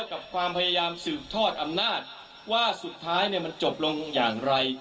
กับความพยายามสืบทอดอำนาจว่าสุดท้ายมันจบลงอย่างไร